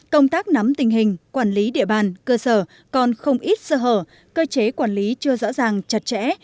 công tác nắm tình hình quản lý địa bàn cơ sở còn không ít sơ hở cơ chế quản lý chưa rõ ràng chặt chẽ